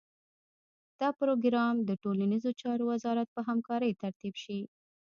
دا پروګرام د ټولنیزو چارو وزارت په همکارۍ ترتیب شي.